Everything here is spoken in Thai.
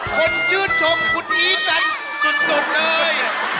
คนชื่นชมคุณอีทกันสุดเลย